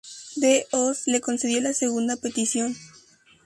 D-os le concedió la segunda petición.